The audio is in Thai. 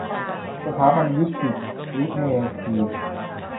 สถาบันวิทยสิริเมธี